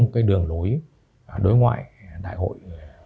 cái đường lối đối ngoại đại hội một mươi ba